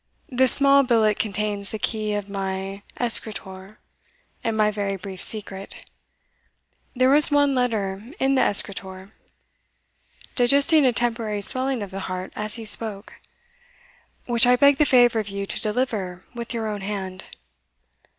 "This small billet contains the key of my escritoir, and my very brief secret. There is one letter in the escritoir" (digesting a temporary swelling of the heart as he spoke), "which I beg the favour of you to deliver with your own hand."